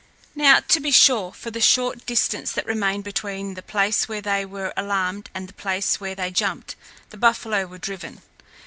Now, to be sure, for the short distance that remained between the place where they were alarmed and the place where they jumped, the buffalo were driven.